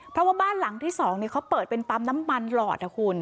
เพราะว่าบ้านหลังที่๒เขาเปิดเป็นปั๊มน้ำมันหลอดนะคุณ